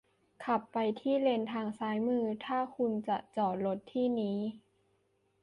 ขับไปที่เลนทางซ้ายมือถ้าคุณจะจอดรถที่นี้